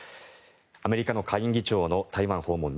アメリカの下院議長台湾訪問